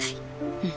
うん。